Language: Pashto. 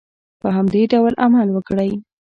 په همدې ډول عمل وکړئ.